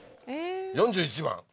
４１番。